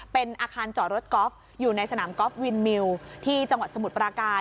เป็นอาคารจอดรถกอล์ฟอยู่ในสนามกอล์ฟวินมิวที่จังหวัดสมุทรปราการ